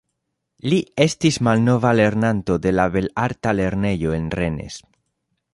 Li estis malnova lernanto de la belarta lernejo en Rennes.